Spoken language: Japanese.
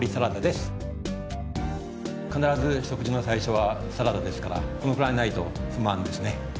必ず食事の最初はサラダですからこのくらいないと不満ですね。